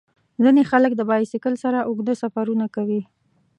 ځینې خلک د بایسکل سره اوږده سفرونه کوي.